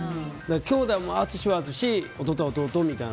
きょうだいも、淳は淳弟は弟みたいな。